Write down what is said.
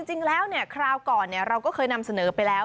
จริงแล้วคราวก่อนเราก็เคยนำเสนอไปแล้ว